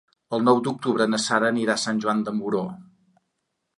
El nou d'octubre na Sara anirà a Sant Joan de Moró.